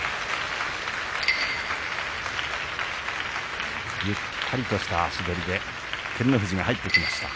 拍手ゆったりとした足取りで照ノ富士が入ってきました。